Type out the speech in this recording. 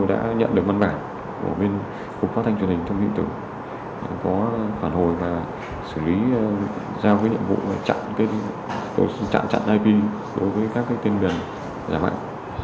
đối với các tiên biển giả mạo